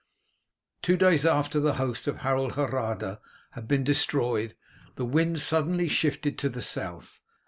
Two days after the host of Harold Hardrada had been destroyed the wind suddenly shifted to the south.